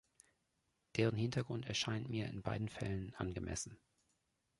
Deren Hintergrund erscheint mir, in beiden Fällen, angemessen.